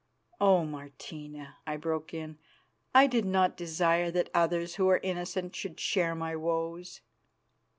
"Oh! Martina," I broke in, "I did not desire that others who are innocent should share my woes."